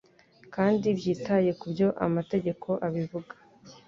kandi byitaye ku byo amategeko abivuga